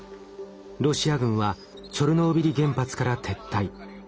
ロシア軍はチョルノービリ原発から撤退。